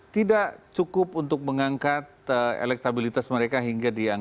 tidak cukup untuk mengangkat elektabilitas mereka hingga di angka empat puluh satu